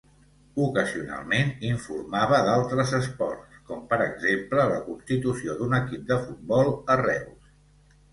Ocasionalment informava d'altres esports, com per exemple la constitució d'un equip de futbol a Reus.